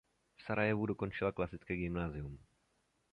V Sarajevu dokončila klasické gymnázium.